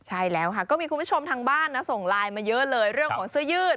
ใช่แล้วค่ะก็มีคุณผู้ชมทางบ้านนะส่งไลน์มาเยอะเลยเรื่องของเสื้อยืด